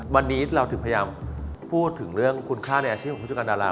วันนี้เราถึงพยายามพูดถึงเรื่องคุณค่าในอาชีพของผู้จัดการดารา